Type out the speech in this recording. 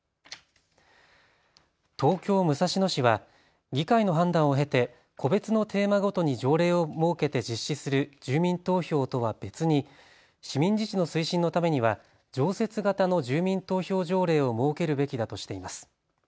東京武蔵野市は議会の判断を経て個別のテーマごとに条例を設けて実施する住民投票とは別に市民自治の推進のためには常設型の住民投票条例を設けるべきだとしています。